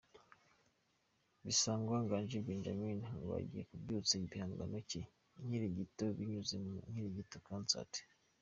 Bisangwa Nganji Benjamain ngo agiye kubyutsa igihangano cye "Inkirigito" binyuze mu "Inkirigito Concert".